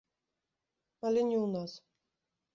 Але не ў нас.